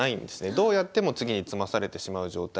どうやっても次に詰まされてしまう状態